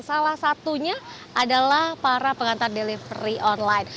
salah satunya adalah para pengantar delivery online